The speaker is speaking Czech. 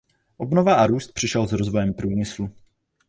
Obnova a růst přišel s rozvojem průmyslu.